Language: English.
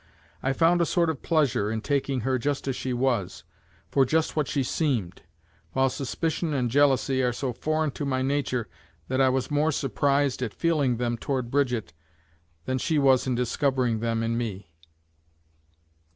I found a sort of pleasure in taking her just as she was, for just what she seemed, while suspicion and jealousy are so foreign to my nature that I was more surprised at feeling them toward Brigitte than she was in discovering them in me.